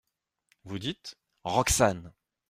Vous dites ?… ROXANE.